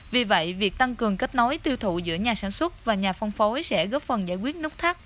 vì vậy việc tăng cường kết nối tiêu thụ giữa nhà sản xuất và nhà phân phối sẽ góp phần giải quyết nút thắt